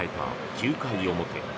９回表。